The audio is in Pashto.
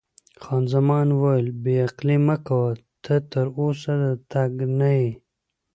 خان زمان وویل: بې عقلي مه کوه، ته تراوسه د تګ نه یې.